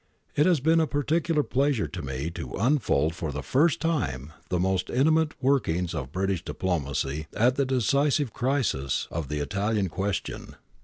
It has been a particular pleasure to me to unfold for the first time the most intimate workings of British diplomacy at the decisive crisis of the Italian question.